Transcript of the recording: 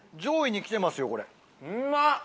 うまっ！